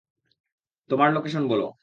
তোমার লোকেশন বলো!